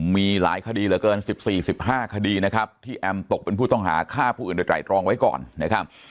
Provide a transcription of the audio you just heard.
มีหลายคดีเหลือเกิน๑๔๑๕คดีนะครับที่แอมตกเป็นผู้ต้องหาฆ่าผู้อื่นโดยไตรรองไว้ก่อนนะครับ